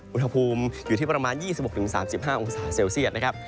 อุณหภูมิอยู่ที่ประมาณ๒๖๓๕องศาเซลเซียตนะครับ